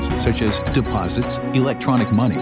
seperti deposit uang elektronik